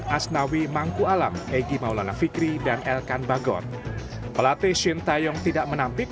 hasnawi mangku alam egy maulana fikri dan elkan bagot pelatih syintayong tidak menampik